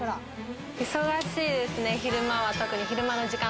忙しいですね、昼間は特に。